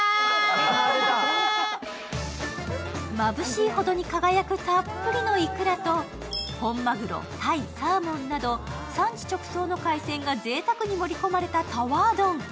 まぶしいほどに輝くたっぷりのいくらと、本まぐろ、タイ、サーモンなど産地直送の海鮮がぜいたくに盛り込まれたタワー丼。